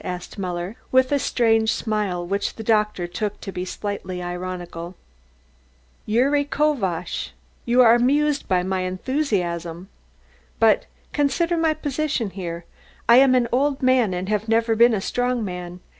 asked Muller with a strange smile which the doctor took to be slightly ironical. "Gyuri Kovacz. You are amused at my enthusiasm? But consider my position here. I am an old man and have never been a strong man.